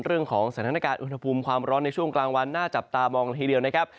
เรื่องของสน้ำการเหรอความร้อนในช่วงกลางวันหน้าจับตามองทีเย็นเลยนะครับ